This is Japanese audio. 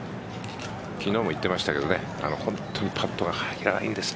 昨日も言っていましたけど本当にパットが入らないんですと。